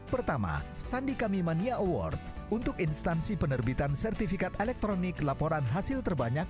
pertama sandi kamimania award untuk instansi penerbitan sertifikat elektronik laporan hasil terbanyak